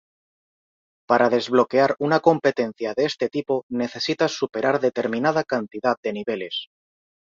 Para desbloquear una competencia de este tipo necesitas superar determinada cantidad de niveles.